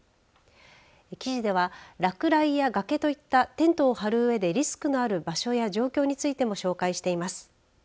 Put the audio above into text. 記事では落雷や崖といったテントを張るうえでリスクのある場所や状況についても紹介しています。